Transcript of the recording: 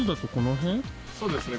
そうですね